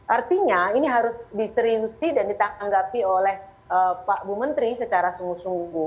artinya ini harus diseriusi dan ditanggapi oleh pak ibu menteri tenaga kerja